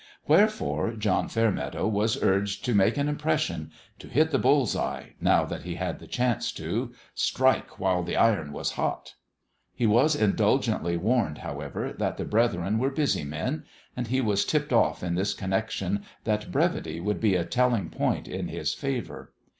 Wherefore John Fairmeadow was urged to make an "impres sion " .to "hit the bull's eye," now that he had the chance to " strike while the iron was hot." He was indulgently warned, moreover, that the brethren were busy men ; and he was " tipped off" in this connection that brevity would be a telling point in his favour.